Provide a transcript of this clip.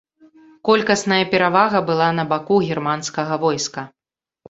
Колькасная перавага была на баку германскага войска.